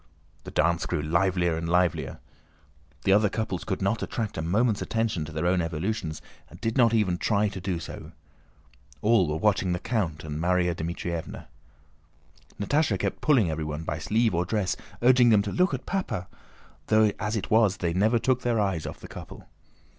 The dance grew livelier and livelier. The other couples could not attract a moment's attention to their own evolutions and did not even try to do so. All were watching the count and Márya Dmítrievna. Natásha kept pulling everyone by sleeve or dress, urging them to "look at Papa!" though as it was they never took their eyes off the couple.